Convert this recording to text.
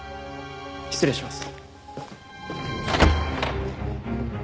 失礼します。